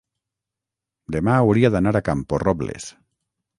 Demà hauria d'anar a Camporrobles.